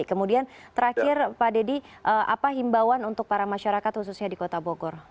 kemudian terakhir pak deddy apa himbawan untuk para masyarakat khususnya di kota bogor